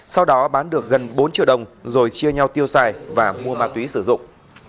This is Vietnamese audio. sau đó bán được gần bốn triệu đồng rồi chia nhau tiêu xài và mua ma túy sử dụng